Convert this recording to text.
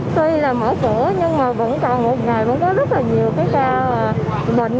tuy là mở cửa nhưng mà vẫn còn một ngày vẫn có rất là nhiều cái ca bệnh